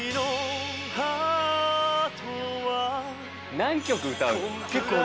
何曲歌うの？